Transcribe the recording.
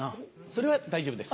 それは大丈夫です。